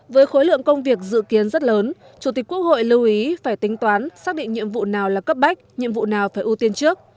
với khối lượng công việc dự kiến rất lớn chủ tịch quốc hội lưu ý phải tính toán xác định nhiệm vụ nào là cấp bách nhiệm vụ nào phải ưu tiên trước